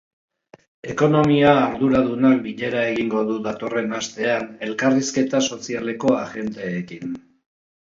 Ekonomia arduradunak bilera egingo du datorren astean elkarrizketa sozialeko ajenteekin.